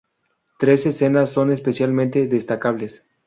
Tres escenas son especialmente destacables.